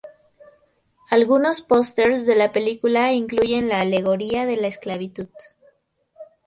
Algunos posters de la película incluyen la alegoría de la esclavitud.